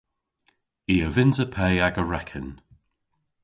I a vynnsa pe aga reken.